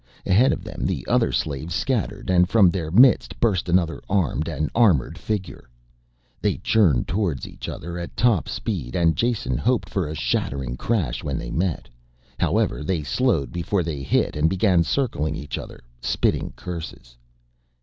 Ahead of them the other slaves scattered and from their midst burst another armed and armored figure. They churned towards each other at top speed and Jason hoped for a shattering crash when they met. However they slowed before they hit and began circling each other, spitting curses.